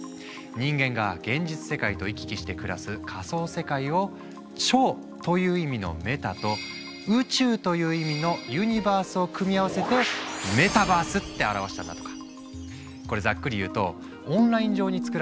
人間が現実世界と行き来して暮らす仮想世界を「超」という意味のメタと「宇宙」という意味のユニバースを組み合わせてメタバースって表したんだとか。